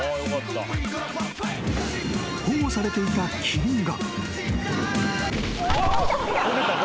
［保護されていたキリンが］